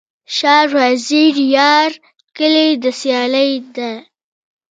شاه وزیره یاره، کلي دي سیالي ده